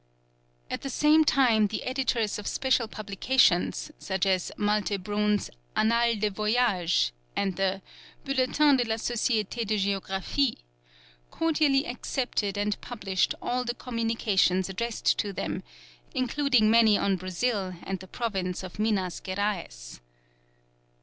At the same time the editors of special publications, such as Malte Brun's Annales des Voyages and the Bulletin de la Société de Géographie, cordially accepted and published all the communications addressed to them, including many on Brazil and the province of Minas Geraës.